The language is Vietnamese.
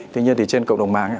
tuy nhiên thì trên cộng đồng mạng